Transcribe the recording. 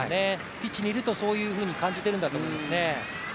ピッチにいるとそう感じているんだと思いますね。